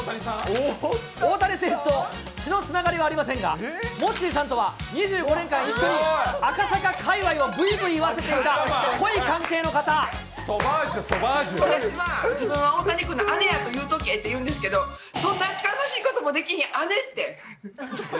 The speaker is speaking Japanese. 大谷選手と血のつながりはありませんが、モッチーさんとは２５年間一緒に赤坂界わいをぶいぶい言わせてい友達は、自分は大谷君の姉やと言うとけと、言うんですけど、そんな厚かましいこともできひん、姉って。